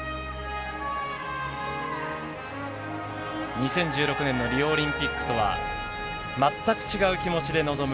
２０１６年のリオオリンピックとは、全く違う気持ちで臨む